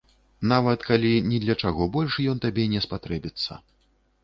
Нават калі ні для чаго больш ён табе не спатрэбіцца.